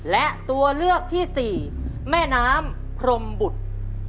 และตัวเลือกที่สี่แม่น้ำพรมบุตร